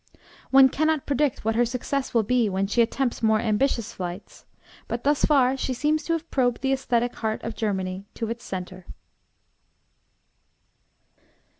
One cannot predict what her success will be when she attempts more ambitious flights, but thus far she seems to have probed the aesthetic heart of Germany to its centre.